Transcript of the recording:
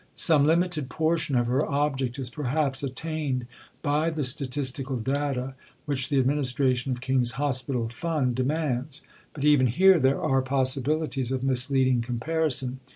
Some limited portion of her object is perhaps attained by the statistical data which the administration of King's Hospital Fund demands, but even here there are possibilities of misleading comparison.